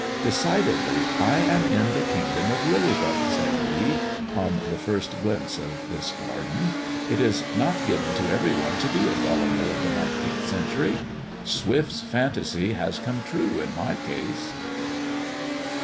" Decidedly, I am in the kingdom of Lilliput," said he, on the first glimpse of this garden; it is not given to every one to be a Gulliver of the nineteenth century. Swift's fantasy has come true in my case."